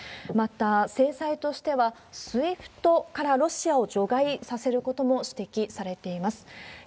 また制裁としては、ＳＷＩＦＴからロシアを除外することも指摘されています。